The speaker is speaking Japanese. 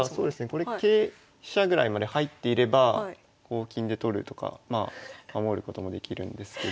これ桂飛車ぐらいまで入っていれば金で取るとかまあ守ることもできるんですけど。